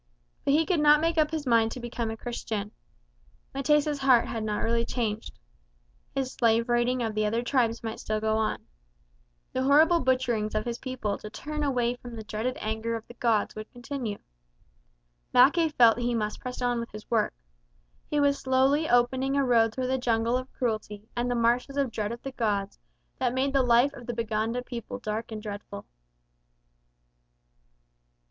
But he could not make up his mind to become a Christian. M'tesa's heart had not really changed. His slave raiding of other tribes might still go on. The horrible butcherings of his people to turn away the dreaded anger of the gods would continue. Mackay felt he must press on with his work. He was slowly opening a road through the jungle of cruelty and the marshes of dread of the gods that made the life of the Baganda people dark and dreadful.